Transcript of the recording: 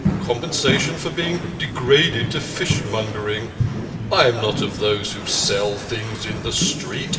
" Compensation for being degraded to fishmongering. I am not of those who sell things in the streets.